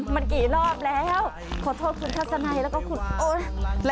มันกี่รอบแล้วขอโทษคุณทัศนัยแล้วก็คุณโอ๊ย